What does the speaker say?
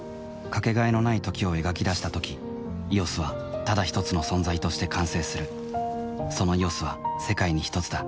かけがえのない「時」を描き出したとき「ＥＯＳ」はただひとつの存在として完成するその「ＥＯＳ」は世界にひとつだ